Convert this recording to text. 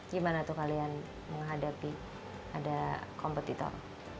gimana tuh kalian menghadapi ada kompetitor